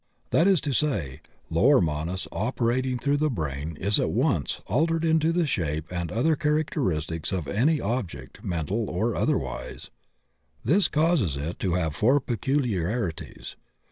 That is to say, Lower Manas operating through the brain is at once altered into the shape and other characteristics of any object, mental or otherwise. This causes it to have four peculiarities.